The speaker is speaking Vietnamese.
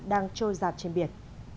đang trôi dạt trên biển